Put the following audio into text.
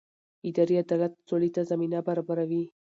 اداري عدالت سولې ته زمینه برابروي